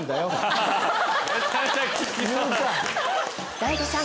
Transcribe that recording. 大悟さん